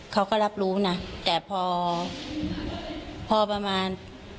เขาก็รับรู้นะแต่พอพอประมาณ